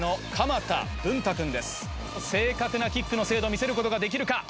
正確なキックの精度を見せることができるか？